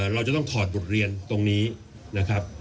เราจะต้องถอดบทเรียนตรงนี้นะครับ